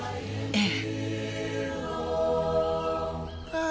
ええ。